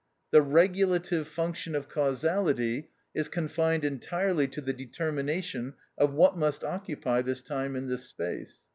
The regulative function of causality is confined entirely to the determination of what must occupy this time and this space.